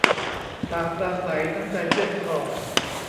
ปากปราศรัยน้ำใจเชือดคอ